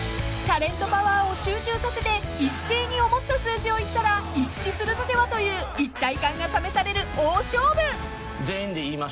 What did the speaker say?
［タレントパワーを集中させて一斉に思った数字を言ったら一致するのではという一体感が試される大勝負］全員で言いましょか。